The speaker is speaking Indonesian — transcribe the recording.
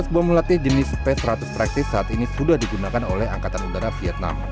lima ratus bom melatih jenis p seratus praxis saat ini sudah digunakan oleh angkatan udara vietnam